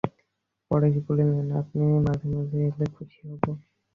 পরেশ বলিলেন, আপনি মাঝে মাঝে এলে খুশি হব।